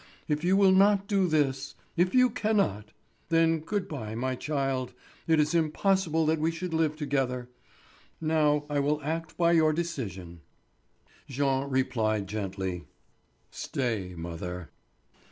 If you will not do this—if you cannot—then good bye, my child; it is impossible that we should live together. Now, I will act by your decision." Jean replied gently: "Stay, mother."